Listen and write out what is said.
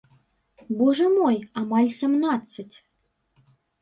Божа мой, амаль сямнаццаць!